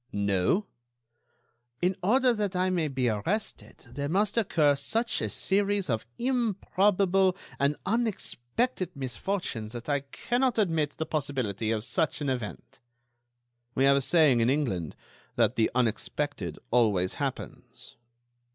"No?" "In order that I may be arrested there must occur such a series of improbable and unexpected misfortunes that I cannot admit the possibility of such an event." "We have a saying in England that 'the unexpected always happens.